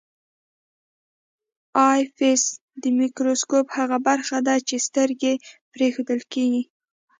آی پیس د مایکروسکوپ هغه برخه ده چې سترګه پرې ایښودل کیږي.